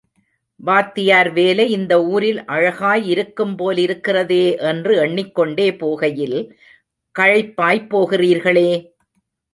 வாத்தியார் வேலை இந்த ஊரில் அழகாயிருக்கும் போலிருக்கிறதே என்று எண்ணிக்கொண்டே போகையில், களைப்பாய்ப் போகிறீர்களே?